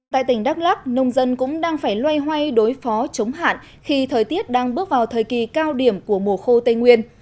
tại tỉnh đắk lắc nông dân cũng đang phải loay hoay đối phó chống hạn khi thời tiết đang bước vào thời kỳ cao điểm của mùa khô tây nguyên